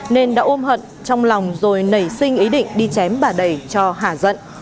nên đã ôm hận trong lòng rồi nảy sinh ý định đi chém bà đầy cho hả dận